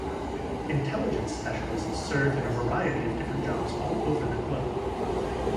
Intelligence specialists serve in a variety of different jobs all over the globe.